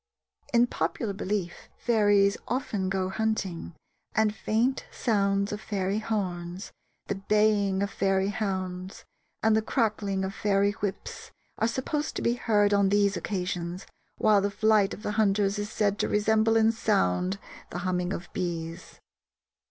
In popular belief fairies often go hunting, and faint sounds of fairy horns, the baying of fairy hounds, and the cracking of fairy whips are supposed to be heard on these occasions, while the flight of the hunters is said to resemble in sound the humming of bees.